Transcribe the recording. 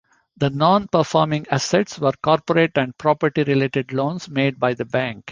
The non-performing assets were corporate and property-related loans made by the bank.